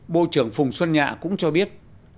bộ trưởng phùng xuân nhã cũng cho biết